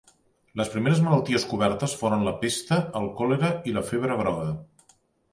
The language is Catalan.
Les primeres malalties cobertes foren la pesta, el còlera i la febre groga.